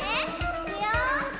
いくよ。